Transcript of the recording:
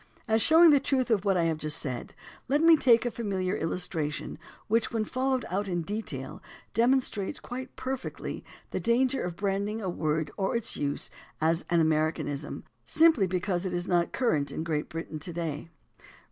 As showing the truth of what I have just said let me take a familiar illustration which when followed out in detail demonstrates quite perfectly the danger of branding a word or its use as an "Americanism," simply because it is not current in Great Britain to day.